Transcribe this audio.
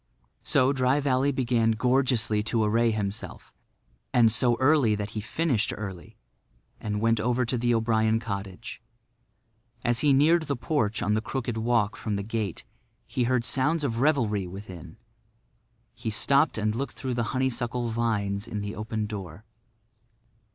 So Dry Valley began gorgeously to array himself; and so early that he finished early, and went over to the O'Brien cottage. As he neared the porch on the crooked walk from the gate he heard sounds of revelry within. He stopped and looked through the honeysuckle vines in the open door.